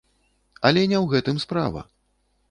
Але не ў гэтым справа.